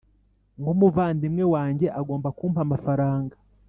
nkumuvandimwe wanjye agomba kumpa amafaranga